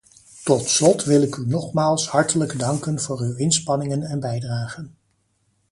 Tot slot wil ik u nogmaals hartelijk danken voor uw inspanningen en bijdragen.